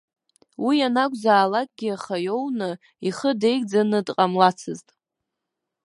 Уи ианакәызаалакгьы аха иоуны, ихы деиӡаны дҟамлацызт.